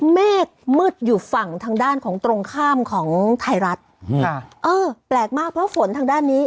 เมฆมืดอยู่ฝั่งทางด้านของตรงข้ามของไทยรัฐอืมค่ะเออแปลกมากเพราะฝนทางด้านนี้